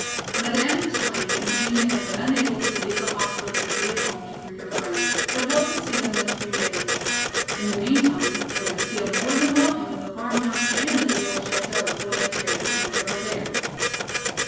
Madame explained that Eugenia had been unable to leave the hospital to be at home to greet her friends, but hoped to see them in a few days. In the meantime they were to feel more than welcome in the farmhouse and in the old chateau, when they cared to come to her there.